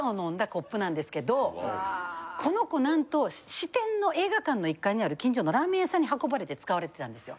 この子何と支店の映画館の１階にある近所のラーメン屋さんに運ばれて使われてたんですよ。